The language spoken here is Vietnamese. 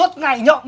định phá đám à